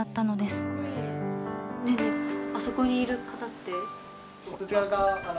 そこにいる方って。